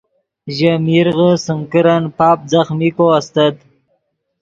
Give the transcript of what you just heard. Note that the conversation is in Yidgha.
ژے میرغے سیم کرن پاپ ځخمیکو استت